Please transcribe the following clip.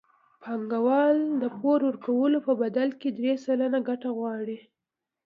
بانکوال د پور ورکولو په بدل کې درې سلنه ګټه غواړي